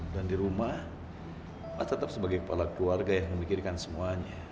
dan di rumah mas tetap sebagai kepala keluarga yang memikirkan semuanya